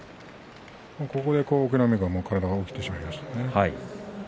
ここで隠岐の海の体が起きてしまいましたね。